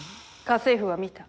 家政婦は見た。